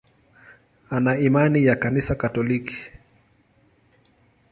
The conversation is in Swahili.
Ana imani ya Kanisa Katoliki.